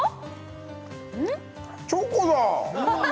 チョコだ！